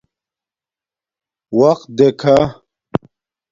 وقت دیکھا